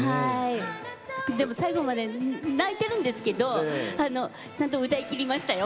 でも最後まで泣いているんですけれどちゃんと歌いきりましたよ。